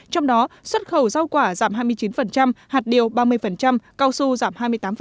trong đó xuất khẩu rau quả giảm hai mươi chín hạt điều ba mươi cao su giảm hai mươi tám